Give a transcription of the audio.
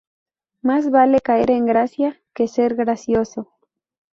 Más vale caer en gracia que ser gracioso